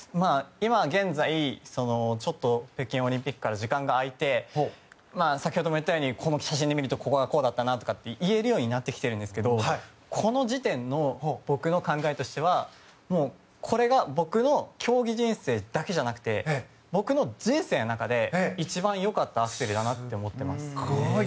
今現在、北京オリンピックから時間が空いて先ほども言ったようにこの写真で見るとここは、こうだったなとか言えるようになってるんですけどこの時点の僕の考えとしてはこれが僕の競技人生だけじゃなくて僕の人生の中で一番良かったアクセルだなと思ってます。